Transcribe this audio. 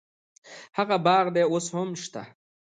هغه باغ دې اوس هم شته.